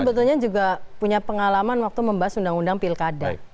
sebetulnya juga punya pengalaman waktu membahas undang undang pilkada